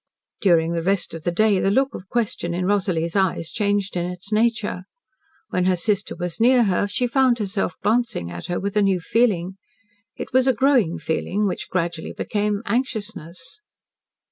During the rest of the day the look of question in Rosalie's eyes changed in its nature. When her sister was near her she found herself glancing at her with a new feeling. It was a growing feeling, which gradually became anxiousness.